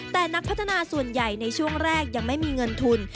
แต่นักพัฒนาส่วนใหญ่ในช่วงแรกยังไม่มีเงินทุน